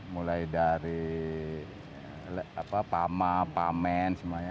mulai dari pama pamen semuanya